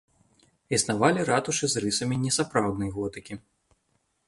Існавалі ратушы з рысамі несапраўднай готыкі.